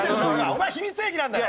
お前秘密兵器なんだよ。